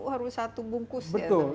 harus satu bungkus ya